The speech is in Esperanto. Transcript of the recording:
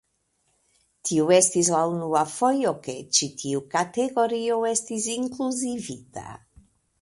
Tiu estis la unua fojo ke ĉi tiu kategorio estis inkluzivita.